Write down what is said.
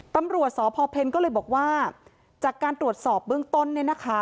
ตำรวจสพเพลก็เลยบอกว่าจากการตรวจสอบเบื้องต้นเนี่ยนะคะ